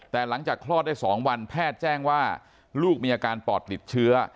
แต่หลังจากคลอดได้๒วันแพทย์แจ้งว่าลูกมีอาการปอดติดเชื้อ